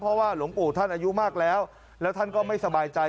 เพราะว่าหลวงปู่ท่านอายุมากแล้วแล้วท่านก็ไม่สบายใจ